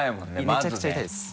めちゃくちゃ痛いです。